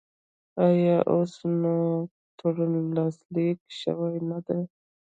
آیا اوس نوی تړون لاسلیک شوی نه دی؟